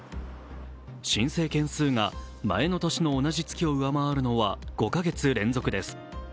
申請件数が前の年の同じ月を上回るのは５か月連続です。